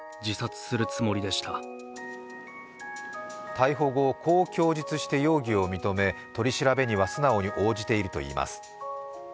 逮捕後、こう供述して容疑を認め取り調べには素直に応じているといいます。